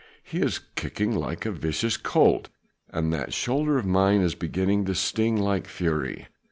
he is kicking like a vicious colt and that shoulder of mine is beginning to sting like fury."